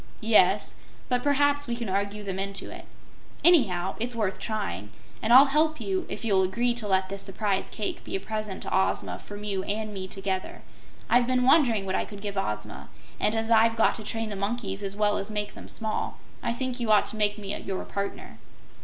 "Yes; but perhaps we can argue them into it. Anyhow it's worth trying, and I'll help you if you'll agree to let this Surprise Cake be a present to Ozma from you and me together. I've been wondering what I could give Ozma, and as I've got to train the monkeys as well as make them small, I think you ought to make me your partner."